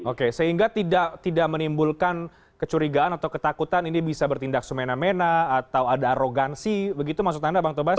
oke sehingga tidak menimbulkan kecurigaan atau ketakutan ini bisa bertindak semena mena atau ada arogansi begitu maksud anda bang tobas